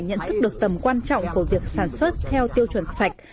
nhận thức được tầm quan trọng của việc sản xuất theo tiêu chuẩn sạch